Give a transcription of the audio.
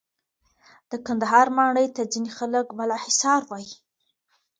د کندهار ماڼۍ ته ځینې خلک بالاحصار وایې.